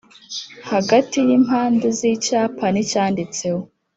hagati y’impande z’icyapa n’icyanditseho